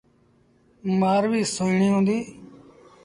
مآرويٚ ستيٚ هُݩديٚ۔